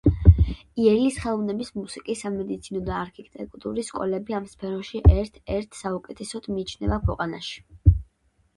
იელის ხელოვნების, მუსიკის, სამედიცინო და არქიტექტურის სკოლები ამ სფეროებში ერთ-ერთ საუკეთესოდ მიიჩნევა ქვეყანაში.